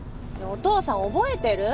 お父さん覚えてる？